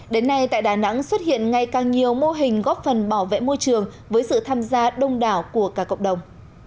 đến nay tại đà nẵng xuất hiện ngày càng nhiều mô hình góp phần bảo vệ môi trường với sự tham gia đông đảo của cả cộng đồng